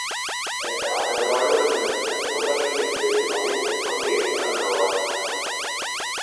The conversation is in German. Im Theatergebäude befindet sich eine wunderschön dekorierte Lobby mit Foyer und andere Räumlichkeiten.